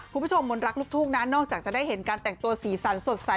มนต์รักลูกทุ่งนะนอกจากจะได้เห็นการแต่งตัวสีสันสดใส